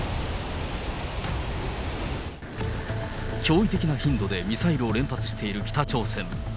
驚異的な頻度でミサイルを連発している北朝鮮。